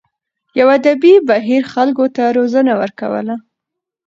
یوه ادبي بهیر خلکو ته روزنه ورکوله.